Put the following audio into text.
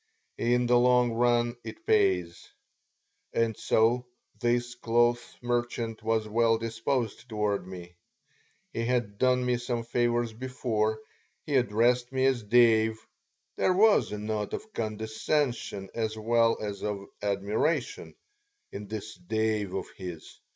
In the long run it pays. And so this cloth merchant was well disposed toward me. He had done me some favors before. He addressed me as Dave. (There was a note of condescension as well as of admiration in this "Dave" of his.